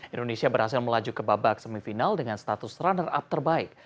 indonesia berhasil melaju ke babak semifinal dengan status runner up terbaik